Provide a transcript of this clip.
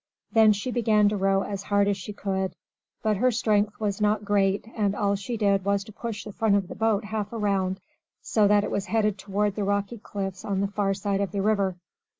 Then she began to row as hard as she could; but her strength was not great, and all she did was to push the front of the boat half around, so that it headed toward the rocky cliffs on the far side of the river.